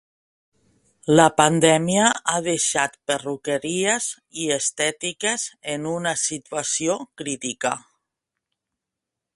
La pandèmia ha deixat perruqueries i estètiques en una situació crítica.